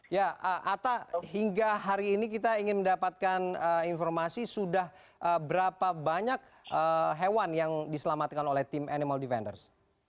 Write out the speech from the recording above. ya atta hingga hari ini kita ingin mendapatkan informasi sudah berapa banyak hewan yang diselamatkan oleh tim animal defenders